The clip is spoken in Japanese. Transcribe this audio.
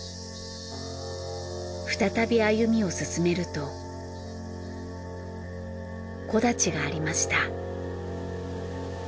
再び歩みを進めると木立がありました。